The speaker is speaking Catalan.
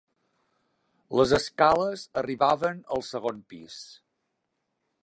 Les escales arribaven al segon pis.